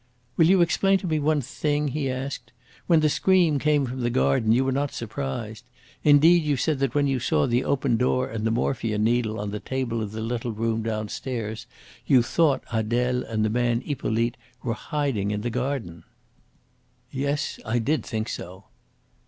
"Will you explain to me one thing?" he asked. "When the scream came from the garden you were not surprised. Indeed, you said that when you saw the open door and the morphia needle on the table of the little room downstairs you thought Adele and the man Hippolyte were hiding in the garden." "Yes, I did think so."